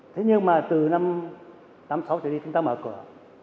thế nhưng mà từ năm một nghìn chín trăm tám mươi sáu tới đây chúng ta mở cửa